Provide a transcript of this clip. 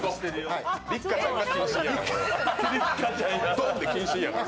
ドン！で謹慎やから。